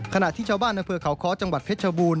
ขณะที่ชาวบ้านอำเภอเขาค้อจังหวัดเพชรชบูรณ